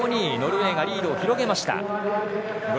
ノルウェーがリードを広げました。